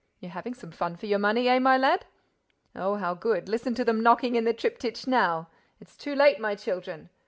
—You're having some fun for your money, eh, my lad?—Oh, how good: listen to them knocking at the triptych now!—It's too late, my children.